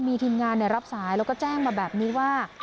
มีทีมงานรับสายแล้วก็แจ้งมาแบบนี้ว่า